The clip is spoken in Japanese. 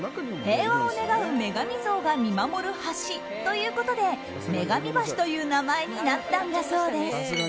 平和を願う女神像が見守る橋ということで女神橋という名前になったんだそうです。